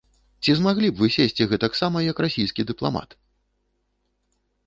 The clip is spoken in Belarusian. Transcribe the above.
Ці змаглі б вы сесці гэтак сама, як расійскі дыпламат?